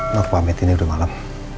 no pamit ini udah malam